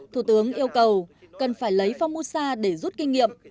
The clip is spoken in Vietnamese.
thủ tướng yêu cầu cần phải lấy phong mua xa để rút kinh nghiệm